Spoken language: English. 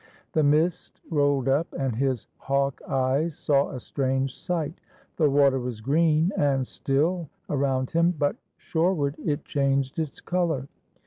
The mist rolled up and his hawk eyes saw a strange sight. The water was green and still around him, but shoreward it changed its color.